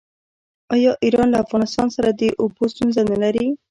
آیا ایران له افغانستان سره د اوبو ستونزه نلري؟